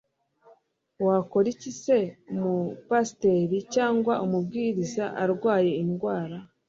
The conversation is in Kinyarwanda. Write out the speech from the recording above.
wakora iki se umupasiteri cyangwa umubwiriza arwaye indwara